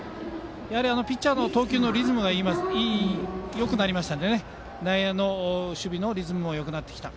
ピッチャーの投球のリズムがよくなりましたので内野守備のリズムもよくなってきた。